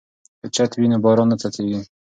که چت وي نو باران نه څڅیږي.